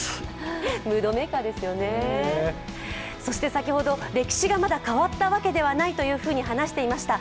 先ほど、歴史がまだ変わったわけではないと話していました。